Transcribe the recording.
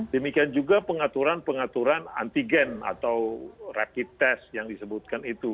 demikian juga pengaturan pengaturan antigen atau rapid test yang disebutkan itu